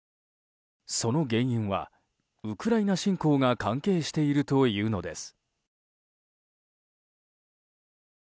その原因はウクライナ侵攻が関係しているというのです。